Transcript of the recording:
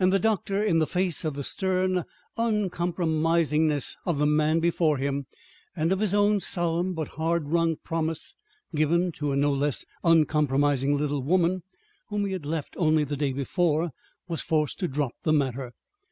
And the doctor, in the face of the stern uncompromisingness of the man before him, and of his own solemn, but hard wrung promise, given to a no less uncompromising little woman whom he had left only the day before, was forced to drop the matter.